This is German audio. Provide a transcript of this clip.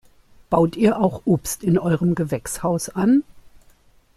Baut ihr auch Obst in eurem Gewächshaus an?